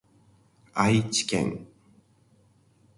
愛知県